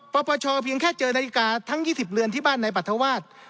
ปปชเพียงแค่เจอนาฬิกาทั้ง๒๐เรือนที่บ้านนายปรัฐวาส